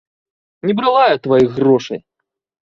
Не брала я тваіх грошай!